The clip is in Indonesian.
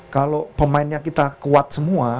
kalau pemainnya kita kuat semua